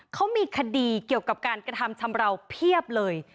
เขามีคดีเกี่ยวกับการกระทำชำราวเพียบเลย